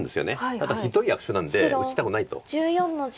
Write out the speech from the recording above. ただひどい悪手なんで打ちたくないと。